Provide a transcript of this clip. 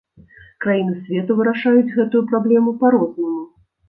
Краіны свету вырашаюць гэтую праблему па-рознаму.